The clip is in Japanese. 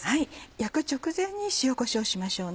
焼く直前に塩こしょうしましょうね。